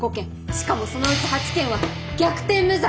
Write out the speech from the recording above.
しかもそのうち８件は逆転無罪！